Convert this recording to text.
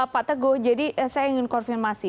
pak teguh jadi saya ingin konfirmasi